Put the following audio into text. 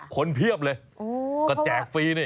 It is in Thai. เพียบเลยก็แจกฟรีนี่